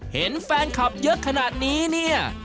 เห็นแฟนคลับเยอะขนาดนี้เนี่ย